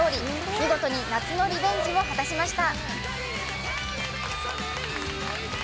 見事に夏のリベンジを果たしました。